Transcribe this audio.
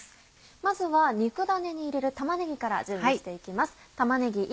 まずは肉だねに入れる玉ねぎから準備して行きます。